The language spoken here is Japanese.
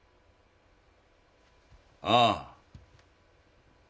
ああ。